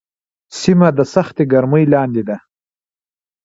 سیمه د سختې ګرمۍ لاندې ده.